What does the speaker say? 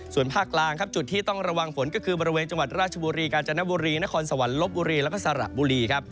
ส่วนภาคล่างจุดที่ต้องระวังฝนก็คือบริเวณจังหวัดราชบุรีกาจันทบุรีนครสวรรค์ลบบุรีและพศรบุรี